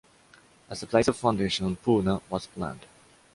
As the place of foundation Poona was planed.